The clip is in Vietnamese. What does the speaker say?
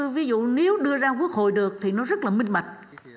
ví dụ nếu đưa ra quốc hội được thì nó rất là minh bạch